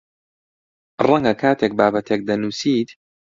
ڕەنگە کاتێک بابەتێک دەنووسیت